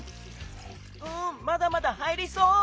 うんまだまだ入りそう！